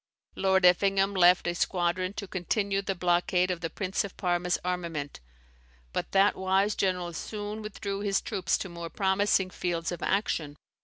Lord Effingham left a squadron to continue the blockade of the Prince of Parma's armament; but that wise general soon withdrew his troops to more promising fields of action.